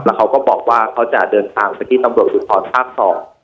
แล้วเขาก็บอกว่าเขาจะเดินทางฟิธีสำรวจจุฐานภาคสอบ